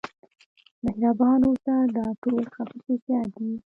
مهربان اوسه دا ټول ښه خصوصیات دي.